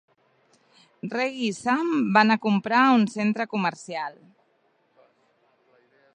Reggie i Sam van a comprar a un centre comercial.